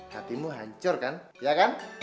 hatimu hancur kan ya kan